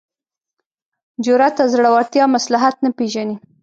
جرات او زړورتیا مصلحت نه پېژني.